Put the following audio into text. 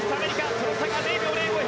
その差が０秒０５！